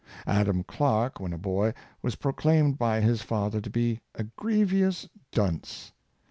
Adam Clarke, when a boy, was proclaimed by his father to be "a grievous dunce."